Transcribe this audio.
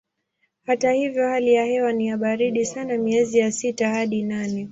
Hata hivyo hali ya hewa ni ya baridi sana miezi ya sita hadi nane.